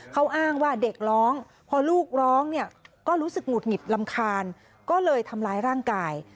เขาอ้างว่าเด็กร้องพอลูกร้องเนี่ยก็รู้สึกหงุดหงิดรำคาญก็เลยทำร้ายร่างกาย